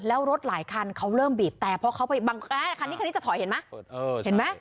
แล้วรถหลายคันเขาเริ่มบีบแต่เพราะเขาไปบังคันนี้คันนี้จะถอยเห็นไหมเห็นไหม